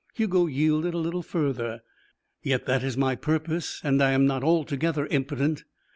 Hugo yielded a little further. "Yet that is my purpose. And I am not altogether impotent.